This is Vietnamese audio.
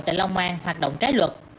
tại long an hoạt động trái luật